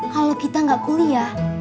kalau kita gak kuliah